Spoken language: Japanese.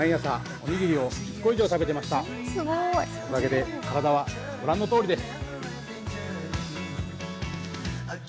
おかげで体は御覧のとおりです。